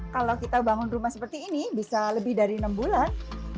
kalau kita bangun rumah seperti ini bisa lebih dari enam bulan